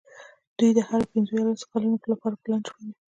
دوی د هرو پینځو یا لسو کلونو لپاره پلان جوړوي.